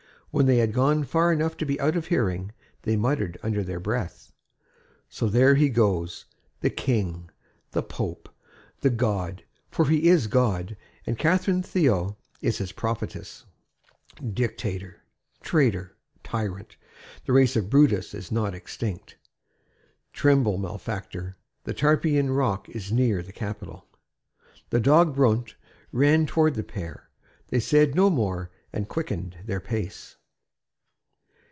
When they had gone far enough to be out of hearing, they muttered under their breath: "So there he goes, the King, the Pope, the God. For he is God; and Catherine Théot is his prophetess." "Dictator, traitor, tyrant! the race of Brutus is not extinct." "Tremble, malefactor! the Tarpeian rock is near the Capitol!" The dog Brount ran towards the pair. They said no more and quickened their pace.